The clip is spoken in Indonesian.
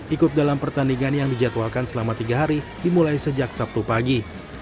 ikut dalam pertandingan yang dijadwalkan selama tiga hari dimulai sejak sabtu pagi